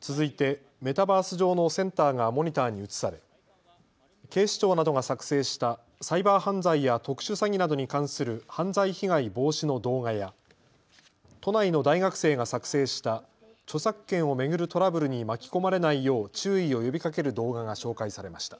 続いてメタバース上のセンターがモニターに映され警視庁などが作成したサイバー犯罪や特殊詐欺などに関する犯罪被害防止の動画や都内の大学生が作成した著作権を巡るトラブルに巻き込まれないよう注意を呼びかける動画が紹介されました。